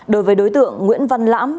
đối với đối tượng nguyễn văn lãm